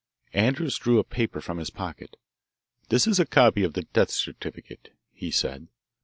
Andrews drew a paper from his pocket. "This is a copy of the death certificate," he said.